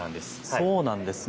そうなんですね。